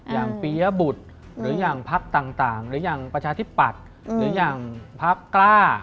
ปียบุตรหรืออย่างพักต่างหรืออย่างประชาธิปัตย์หรืออย่างพักกล้า